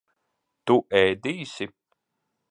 Tu ēdīsi?